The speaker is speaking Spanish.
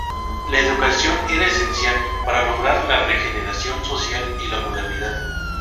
La educación era esencial para lograr la regeneración social y la modernidad.